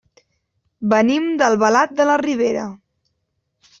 Venim d'Albalat de la Ribera.